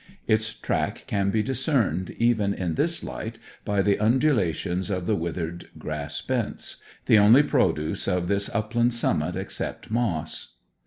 Its track can be discerned even in this light by the undulations of the withered grass bents the only produce of this upland summit except moss.